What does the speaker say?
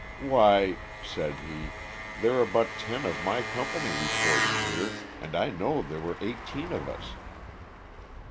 *^ Why/' said he, '* there are but ten of my company reported here iand I know there were eighteen of us."